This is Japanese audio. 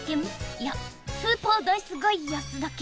いやスーパーナイスガイ安田顕